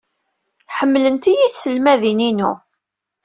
Ḥemmlent-iyi tselmadin-inu.